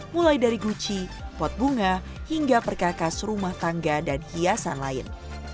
mulai dari guci pot bunga hingga perkakas rumah tangga dan hiasan lain